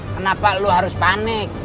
kenapa lu harus panik